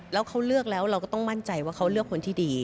แล้วเขาเลือกแล้วเราก็ต้องมั่นใจว่าเขาเลือกคนที่ดี